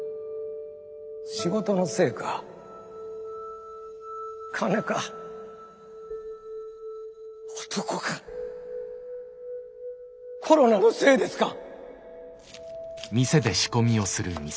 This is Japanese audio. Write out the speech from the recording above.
仕事のせいか金か男かコロナのせいですか？